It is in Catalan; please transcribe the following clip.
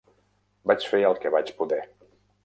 Vaig fer el que vaig poder.